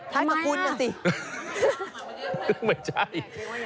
ทำไมคุณไม่ใช่